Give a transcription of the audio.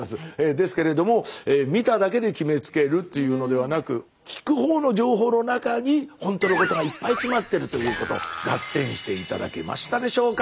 ですけれども見ただけで決めつけるっていうのではなく聞くほうの情報の中にほんとのことがいっぱい詰まってるということガッテンして頂けましたでしょうか？